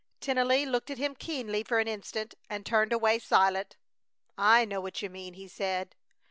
Tennelly looked at him keenly for an instant and turned away, silent. "I know what you mean," he said.